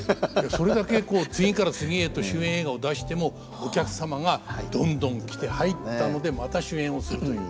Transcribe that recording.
それだけこう次から次へと主演映画を出してもお客様がどんどん来て入ったのでまた主演をするという。